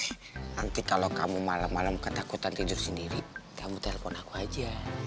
nanti kalau kamu malam malam ketakutan tidur sendiri kamu telpon aku aja